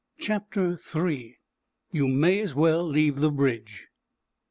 CHAPTER III: "YOU MAY AS WELL LEAVE THE BRIDGE!"